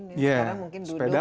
sekarang mungkin duduk main gadget